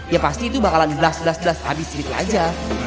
ya pasti itu bakalan belas belas belas habis habis aja